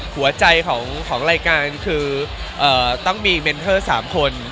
หัวใจของรายการคือต้องมีเมนเทอร์๓คน